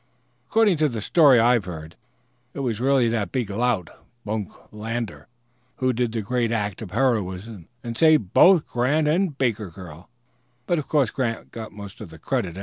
According to the story I've heard, it was really that big lout, Bunk Lander, who did the great act of heroism and saved both Grant and the Barker girl; but of course Grant got most of the credit.